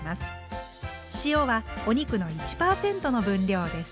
塩はお肉の１％の分量です。